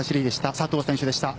佐藤選手でした。